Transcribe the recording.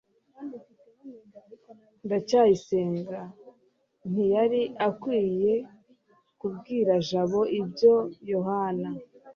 ndacyayisenga ntiyari akwiye kubwira jabo ibya yohana